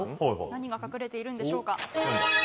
何が隠れているんでしょうか。